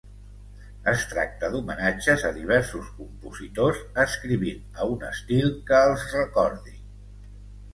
Es tracta d'homenatges a diversos compositors escrivint a un estil que els recordi.